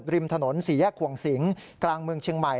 ริมถนนสี่แยกขวงสิงกลางเมืองเชียงใหม่